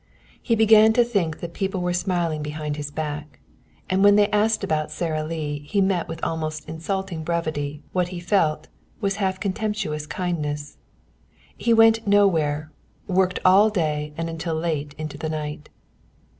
He began to think that people were smiling behind his back, and when they asked about Sara Lee he met with almost insulting brevity what he felt was half contemptuous kindness. He went nowhere, and worked all day and until late in the night.